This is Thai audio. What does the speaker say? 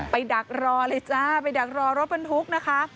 ดักรอเลยจ้าไปดักรอรถบรรทุกนะคะ